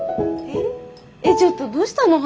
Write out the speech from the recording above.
えっちょっとどうしたの？